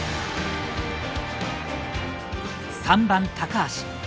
３番・高橋。